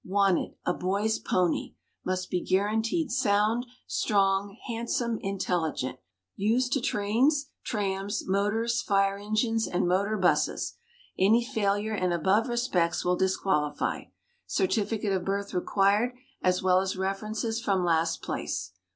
"Wanted, a boy's pony. Must be guaranteed sound, strong, handsome, intelligent. Used to trains, trams, motors, fire engines, and motor 'buses. Any failure in above respects will disqualify. Certificate of birth required as well as references from last place.